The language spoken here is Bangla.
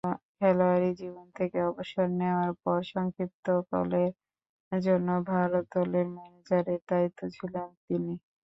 খেলোয়াড়ী জীবন থেকে অবসর নেয়ার পর সংক্ষিপ্তকালের জন্য ভারত দলের ম্যানেজারের দায়িত্বে ছিলেন তিনি।